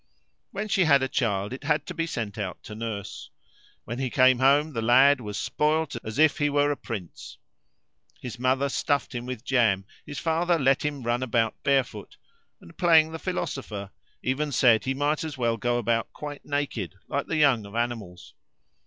When she had a child, it had to be sent out to nurse. When he came home, the lad was spoilt as if he were a prince. His mother stuffed him with jam; his father let him run about barefoot, and, playing the philosopher, even said he might as well go about quite naked like the young of animals.